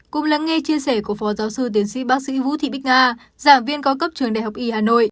cùng lắng nghe chia sẻ của phó giáo sư tiến sĩ bác sĩ vũ thị bích nga giảng viên cao cấp trường đại học y hà nội